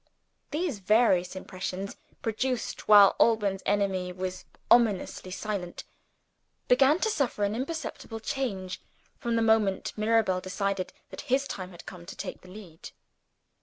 These various impressions produced while Alban's enemy was ominously silent began to suffer an imperceptible change, from the moment when Mirabel decided that his time had come to take the lead.